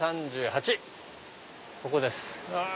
ここです。